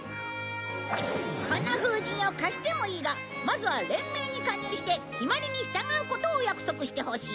この風神を貸してもいいがまずは連盟に加入して決まりに従うことを約束してほしい。